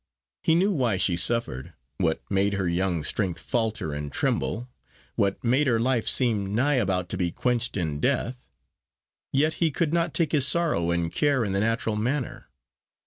He knew why she suffered, what made her young strength falter and tremble, what made her life seem nigh about to be quenched in death. Yet he could not take his sorrow and care in the natural manner.